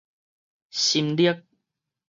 心力